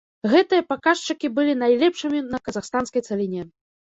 Гэтыя паказчыкі былі найлепшымі на казахстанскай цаліне.